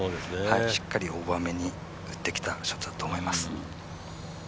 しっかりオーバー目に打ってきたショットだと思います。